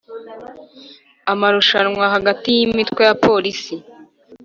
Amarushanwa hagati y imitwe ya polisi